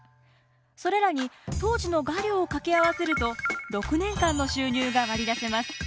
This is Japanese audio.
それらに当時の画料を掛け合わせると６年間の収入が割り出せます。